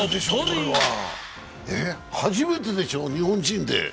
初めてでしょ、日本人で？